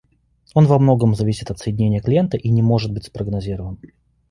Он во многом зависит от соединения клиента и не может быть спрогнозирован